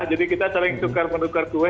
jadi kita saling sukar menukar kue